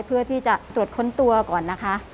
เพื่อที่จะตรวจค้นตัวก่อนนะคะ